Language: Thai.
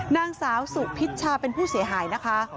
นางสาวสุพิชชาเป็นผู้เสียหายนะคะ